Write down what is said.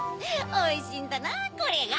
おいしいんだなぁこれが！